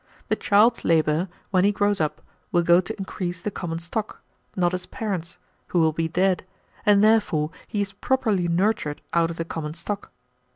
The child's labor, when he grows up, will go to increase the common stock, not his parents', who will be dead, and therefore he is properly nurtured out of the common stock.